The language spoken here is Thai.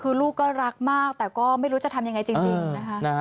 คือลูกก็รักมากแต่ก็ไม่รู้จะทำยังไงจริงนะคะ